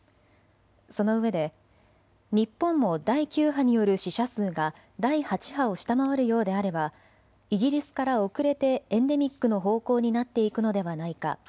そのうえで日本も第９波による死者数が第８波を下回るようであればイギリスから遅れてエンデミックの方向になっていくのではないか。